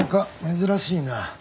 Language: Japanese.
珍しいな。